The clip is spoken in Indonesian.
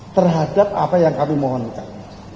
terhadap apa yang kami mohonkan